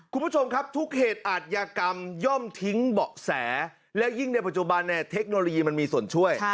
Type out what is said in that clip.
คุณผู้ชมครับทุกเหตุอาทยากรรมย่อมทิ้งเบาะแสและยิ่งในปัจจุบันเนี่ยเทคโนโลยีมันมีส่วนช่วย